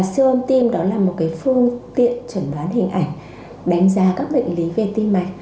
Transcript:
siêu âm tim đó là một phương tiện chẩn đoán hình ảnh đánh giá các bệnh lý về tim mạch